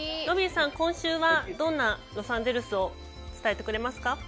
ロビーさん、今週はどんなロサンゼルスを伝えてくれますか？